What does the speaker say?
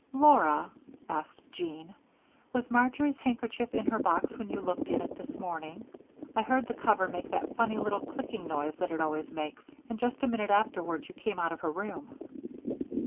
"Laura," asked Jean, "was Marjory's handkerchief in her box when you looked in it this morning? I heard the cover make that funny little clicking noise that it always makes, and just a minute afterward you came out of her room."